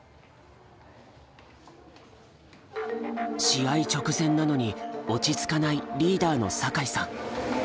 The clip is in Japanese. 試合直前なのに落ち着かないリーダーの酒井さん。